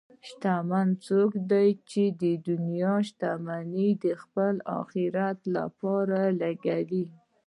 شتمن څوک دی چې د دنیا شتمني د خپل آخرت لپاره لګوي.